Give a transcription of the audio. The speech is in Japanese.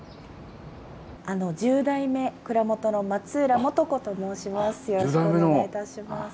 １０代目蔵元の松浦素子と申します。